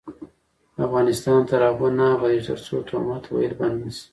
افغانستان تر هغو نه ابادیږي، ترڅو تهمت ویل بند نشي.